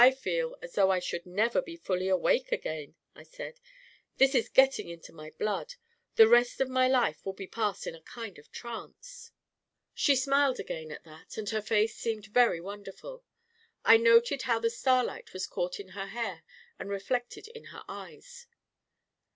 44 1 feel, as though I should never be fully awake again," I said. " This is getting into my blood. The rest of my life will be passed in a kind of trance." She smiled again at that, and her face seemed very wonderful. I noted how the starlight was caught in her hair and reflected in her eyes.